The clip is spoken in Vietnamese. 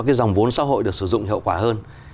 cái dòng vốn xã hội được sử dụng hiệu quả hơn